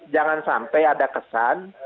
jangan sampai ada kesan